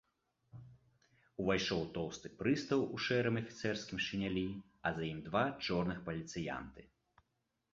Увайшоў тоўсты прыстаў у шэрым афіцэрскім шынялі, а за ім два чорных паліцыянты.